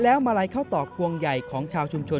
แล้วมาลัยเข้าต่อพวงใหญ่ของชาวชุมชน